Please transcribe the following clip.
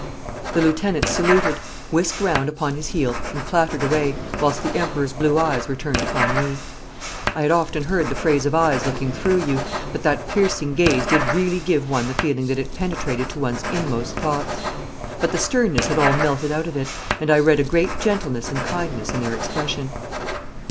The lieutenant saluted, whisked round upon his heel, and clattered away, whilst the Emperor's blue eyes were turned upon me. I had often heard the phrase of eyes looking through you, but that piercing gaze did really give one the feeling that it penetrated to one's inmost thoughts. But the sternness had all melted out of it, and I read a great gentleness and kindness in their expression.